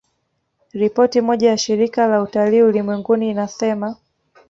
Ripoti moja ya Shirika la Utalii Ulimwenguni inasema